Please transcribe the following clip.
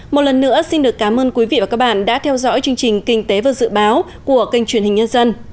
một lần nữa xin được cảm ơn quý vị và các bạn đã theo dõi chương trình kinh tế và dự báo của kênh truyền hình nhân dân